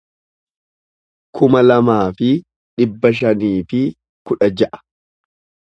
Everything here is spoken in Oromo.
kuma lamaa fi dhibba shanii fi kudha ja'a